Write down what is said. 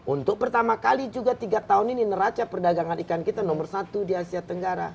untuk pertama kali juga tiga tahun ini neraca perdagangan ikan kita nomor satu di asia tenggara